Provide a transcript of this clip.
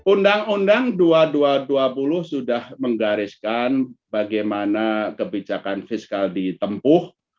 undang undang dua ribu dua puluh sudah menggariskan bagaimana kebijakan fiskal ditempuh